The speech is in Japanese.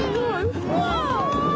うわ！